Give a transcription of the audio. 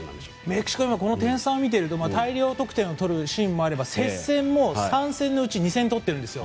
メキシコはこの点差を見ていると大量得点を取るシーンもあれば接戦も３戦のうち２戦とっているんです。